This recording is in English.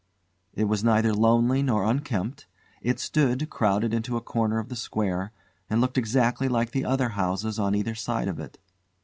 It was neither lonely nor unkempt. It stood, crowded into a corner of the square, and looked exactly like the houses on either side of it.